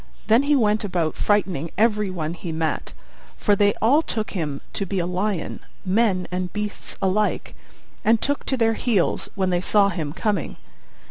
Then he went about frightening every one he met, for they all took him to be a lion, men and beasts alike, and took to their heels when they saw him coming.